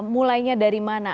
mulainya dari mana